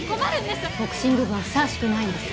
ボクシング部はふさわしくないんです。